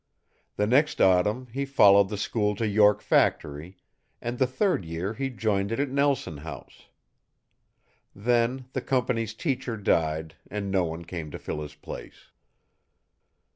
The next autumn he followed the school to York Factory, and the third year he joined it at Nelson House. Then the company's teacher died, and no one came to fill his place.